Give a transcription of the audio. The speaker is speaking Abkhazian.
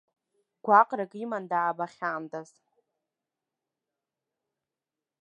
Гәаҟрак иман даабахьандаз!